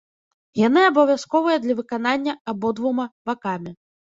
Яны абавязковыя для выканання абодвума бакамі.